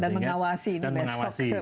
dan mengawasi ini besok bagaimana nasibnya ya